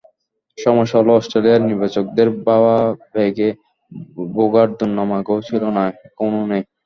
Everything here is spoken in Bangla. সমস্যা হলো, অস্ট্রেলীয় নির্বাচকদের ভাবাবেগে ভোগার দুর্নাম আগেও ছিল না, এখনো নেই।